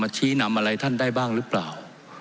ชี้นำอะไรท่านได้บ้างหรือเปล่า